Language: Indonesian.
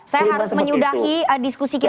saya harus menyudahi diskusi kita